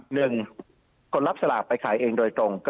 หนึ่งคนรับสลากไปขายังแดงโดยตรงก็กลุ่ม๑